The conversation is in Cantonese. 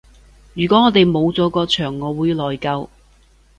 如果我哋冇咗個場我會內疚